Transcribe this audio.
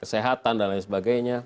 kesehatan dan lain sebagainya